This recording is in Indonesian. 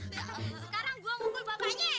sekarang gue mukul bapaknya